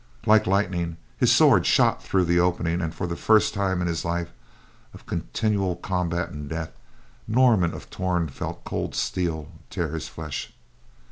Like lightning, his sword shot through the opening, and, for the first time in his life of continual combat and death, Norman of Torn felt cold steel tear his flesh.